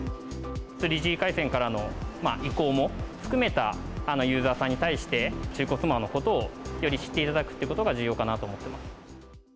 ３Ｇ回線からの移行も含めたユーザーさんに対して、中古スマホのことをより知っていただくっていうことが重要かなと思っております。